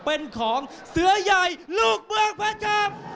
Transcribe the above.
เป็นของเสือใหญ่ลูกเมืองแพทย์ครับ